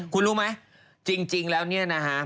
คุณรู้ไหมจริงแล้วเนี่ยนะฮะ